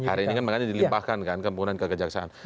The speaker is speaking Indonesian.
ya hari ini kan makanya dilimpahkan kan kemungkinan kekejaksaan